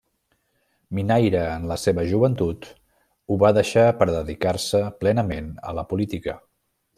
Minaire en la seva joventut, ho va deixar per a dedicar-se plenament a la política.